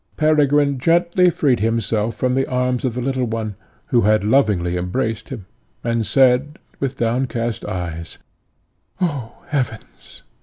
Peregrine gently freed himself from the arms of the little one, who had lovingly embraced him, and said with downcast eyes, "Oh, heavens!